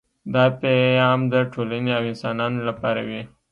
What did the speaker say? دا پیام د ټولنې او انسانانو لپاره وي